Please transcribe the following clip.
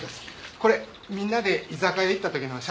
これみんなで居酒屋行った時の写真です。